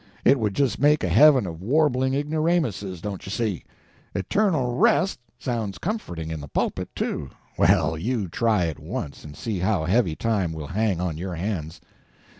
It would just make a heaven of warbling ignoramuses, don't you see? Eternal Rest sounds comforting in the pulpit, too. Well, you try it once, and see how heavy time will hang on your hands.